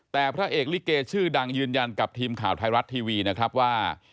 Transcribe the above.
แต่พระเอกลิเกชื่อดังยืนยันกับทีมข่าวไทยรัฐทีวีนะครับว่า